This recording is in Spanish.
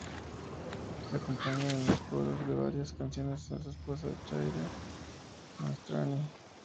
Le acompaña en los coros de varias canciones su esposa Chiara Mastroianni.